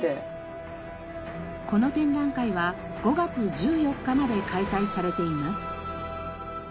この展覧会は５月１４日まで開催されています。